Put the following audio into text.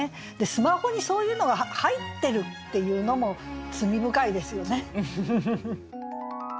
スマホにそういうのが入ってるっていうのも罪深いですよね。